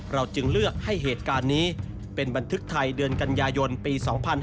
จึงเลือกให้เหตุการณ์นี้เป็นบันทึกไทยเดือนกันยายนปี๒๕๕๙